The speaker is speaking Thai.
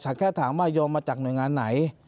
ฉันแค่ถามว่ายงมมาจากเหนิงงานไหน